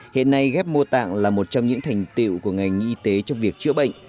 hiện nay ghép mô tạng là một trong những thành tiệu của ngành y tế trong việc chữa bệnh